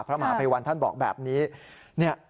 พระมหาภัยวันท่านบอกแบบนี้